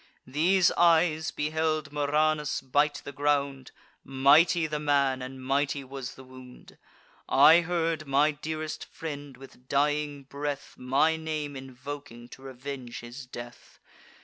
These eyes beheld Murranus bite the ground: Mighty the man, and mighty was the wound. I heard my dearest friend, with dying breath, My name invoking to revenge his death.